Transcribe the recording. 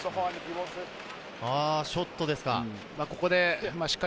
ショットですか？